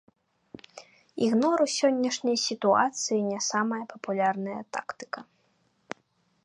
Ігнор у сённяшняй сітуацыі не самая папулярная тактыка.